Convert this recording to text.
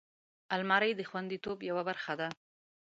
الماري د خوندیتوب یوه برخه ده